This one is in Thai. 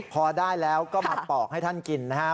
พอได้แล้วก็มาปอกให้ท่านกินนะฮะ